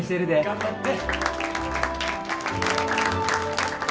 頑張って！